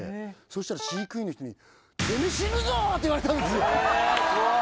したら飼育員の人に「テメー死ぬぞ！」って言われたんですよええ怖っ！